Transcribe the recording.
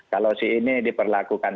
kalau si ini diperlakukan